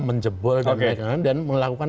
menjebol dan melakukan